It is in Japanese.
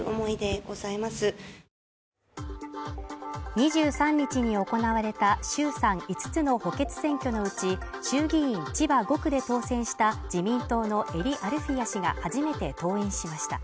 ２３日に行われた衆参５つの補欠選挙のうち、衆議院千葉５区で当選した自民党の英利アルフィヤ氏が初めて登院しました。